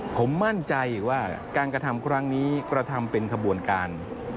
ผมมั่นใจว่าการกระทำครั้งนี้กระทำเป็นขบวนการ